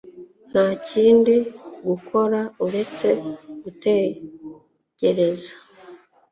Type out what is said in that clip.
Nta kindi gukora uretse gutegereza